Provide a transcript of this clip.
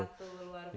wah keren banget